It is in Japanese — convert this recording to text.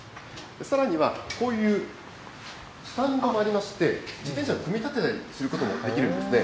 さらには、こういうスタンドもありまして、自転車を組み立てたりすることもできるんですね。